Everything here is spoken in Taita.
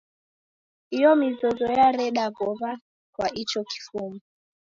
Iyo mizozo yareda w'ow'a kwa icho kifumbu.